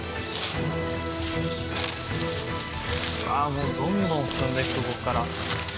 もうどんどん進んでいくここから。